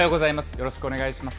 よろしくお願いします。